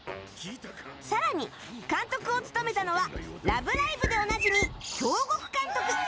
さらに監督を務めたのは『ラブライブ！』でおなじみ京極監督